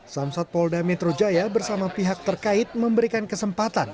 samsat polda metro jaya bersama pihak terkait memberikan kesempatan